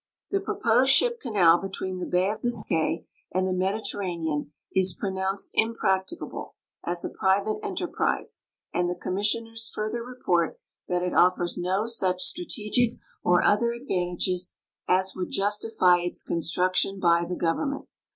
The proposed ship canal between the bay of Biscay and the Mediter ranean is pronounced impracticable as a private enterprise, and the com missioners fui'ther report that it offers no such strategic or other advan tages as would justify its construction by the government.